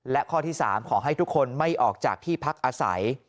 และข้อที่๓ขอให้ทุกคนไม่ออกจากที่พักอาศัย